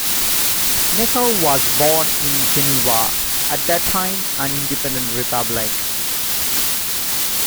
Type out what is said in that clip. Necker was born in Geneva, at that time an independent republic.